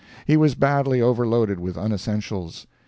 He was badly overloaded with unessentials.